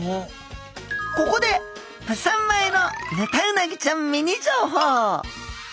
ここでプサン前のヌタウナギちゃんミニ情報！